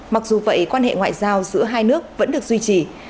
mặc dù vậy quan hệ ngoại giao giữa hai nước vẫn được duy trì